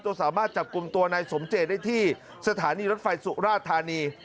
สามารถจับกลุ่มตัวนายสมเจตได้ที่สถานีรถไฟสุราธานี